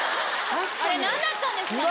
あれ何だったんですかね。